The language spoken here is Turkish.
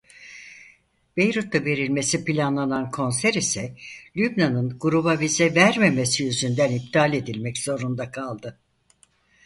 Beyrut'ta verilmesi planlanan konser ise Lübnan'ın gruba vize vermemesi yüzünden iptal edilmek zorunda kaldı.